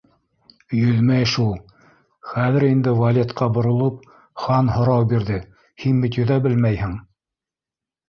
«...Йөҙмәй шул...», —хәҙер инде Валетҡа боролоп, Хан һорау бирҙе: —һин бит йөҙә белмәйһең?